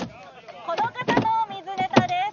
この方の水ネタです